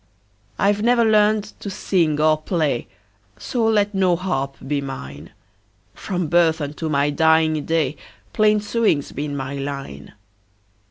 I 've never learned to sing or play, So let no harp be mine; From birth unto my dying day, Plain sewing 's been my line.